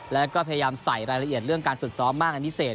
แล้วก็พยายามใส่รายละเอียดเรื่องการฝึกซ้อมมากอันนี้เศษ